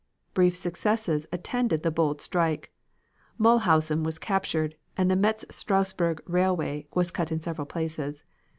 Brief successes attended the bold stroke. Mulhausen was captured and the Metz Strassburg Railroad was cut in several places.